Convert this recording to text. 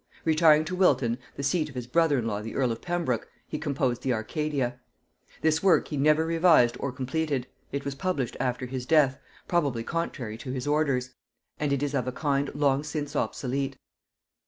Retiring to Wilton, the seat of his brother in law the earl of Pembroke, he composed the Arcadia. This work he never revised or completed; it was published after his death, probably contrary to his orders; and it is of a kind long since obsolete.